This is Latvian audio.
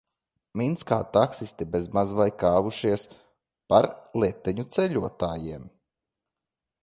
Minskā taksisti bez maz vai kāvušies par letiņu ceļotājiem.